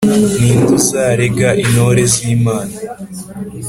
Ni nde uzarega intore z'Imana?